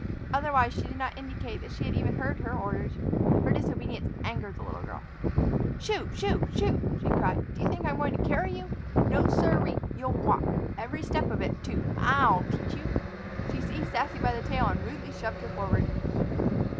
Otherwise she did not indicate that she had even heard her orders. Her disobedience angered the little girl. "Shoo! shoo! shoo!" she cried; "do you think I'm going to carry you? No, siree! You'll walk, every step of it, too. I'll teach you." She seized Sassy by the tail and rudely shoved her forward.